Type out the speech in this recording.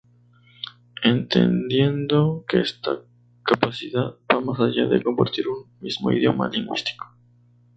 Entendiendo que esta capacidad va más allá de compartir un mismo idioma lingüístico.